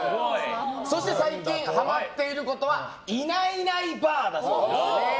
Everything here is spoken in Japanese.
そして、最近ハマっていることはいないいないばあだそうです。